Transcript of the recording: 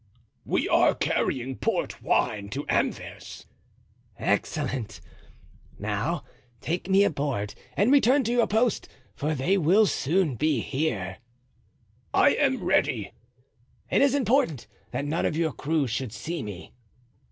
"We are carrying port wine to Anvers." "Excellent. Now take me aboard and return to your post, for they will soon be here." "I am ready." "It is important that none of your crew should see me."